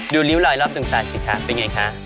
ริ้วรอยรอบดวงตาสิคะเป็นไงคะ